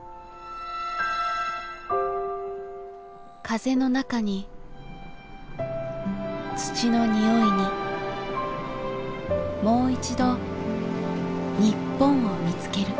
風の中に土の匂いにもういちど日本を見つける。